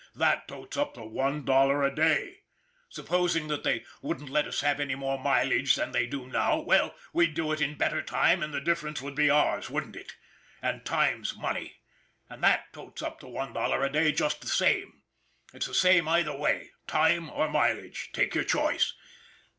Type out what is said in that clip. That totes up one dollar a day. Supposing they wouldn't let us have any more mileage than they do now, well, we'd do it in better time, and the difference would be ours, wouldn't it ? And time's money. And that totes up one dollar a day just the same. It's the same either way time or mileage. Take your choice!"